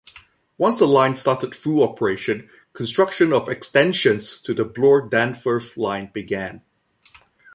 Once the line started full operation, construction of extensions to the Bloor-Danforth line began.